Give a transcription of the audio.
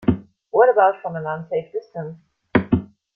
What about from an unsafe distance?